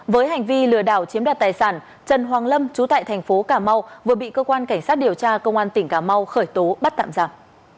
với hành vi lừa đảo chiếm đoạt tài sản trần hoàng lâm chú tại thành phố cà mau vừa bị cơ quan cảnh sát điều tra công an tỉnh cà mau khởi tố bắt tạm giả